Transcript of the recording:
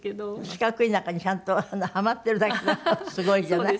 四角い中にちゃんとはまってるだけでもすごいじゃない？